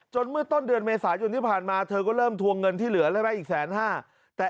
เมื่อต้นเดือนเมษายนที่ผ่านมาเธอก็เริ่มทวงเงินที่เหลือแล้วนะอีกแสนห้า